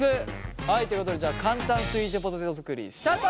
はいということでじゃあ簡単スイートポテト作りスタート！